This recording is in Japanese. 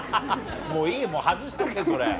もういいよもう外しとけそれ。